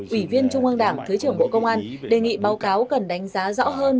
ủy viên trung ương đảng thứ trưởng bộ công an đề nghị báo cáo cần đánh giá rõ hơn